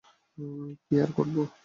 কী আর করবে ও?